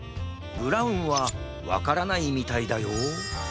ブラウンはわからないみたいだよ